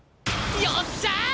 よっしゃあ！